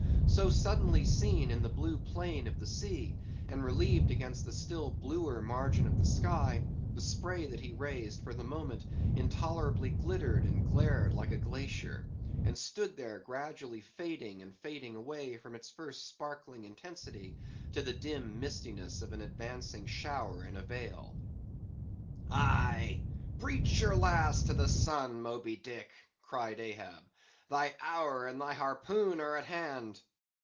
So suddenly seen in the blue plain of the sea, and relieved against the still bluer margin of the sky, the spray that he raised, for the moment, intolerably glittered and glared like a glacier; and stood there gradually fading and fading away from its first sparkling intensity, to the dim mistiness of an advancing shower in a vale. "Aye, breach your last to the sun, Moby Dick!" cried Ahab, "thy hour and thy harpoon are at hand!